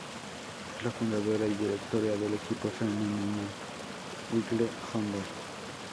Es la fundadora y directora del equipo femenino Wiggle-Honda.